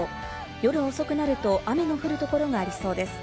夜遅くなると雨の降る所がありそうです。